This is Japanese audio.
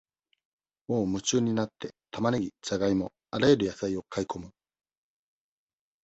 もう夢中になって、玉ねぎ、じゃがいも、あらゆる野菜を買い込む。